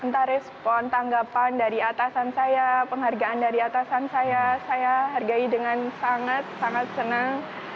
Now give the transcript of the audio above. entah respon tanggapan dari atasan saya penghargaan dari atasan saya saya hargai dengan sangat sangat senang